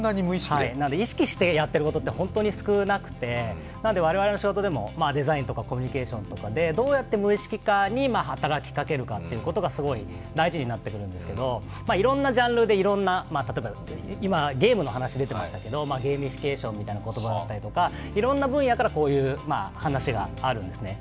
意識してやっていることって本当に少なくて、我々の仕事でもデザインとかコミュニケーションとかでどうやって無意識下に働きかけるかがすごい大事になってくるんですけど、いろいろなジャンルで例えば今、ゲームの話が出ていましたけどゲーミフィケーションという言葉だったりとか、いろんな分野からこういう話があんですね。